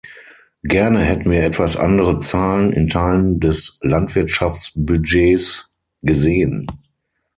Gerne hätten wir etwas andere Zahlen in Teilen des Landwirtschafts-Budgets gesehen.